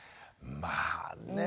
まあね。